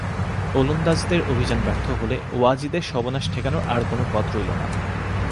ওলন্দাজদের অভিযান ব্যর্থ হলে ওয়াজিদের সর্বনাশ ঠেকানোর আর কোনো পথ রইল না।